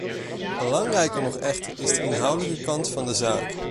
Belangrijker nog echter is de inhoudelijke kant van de zaak.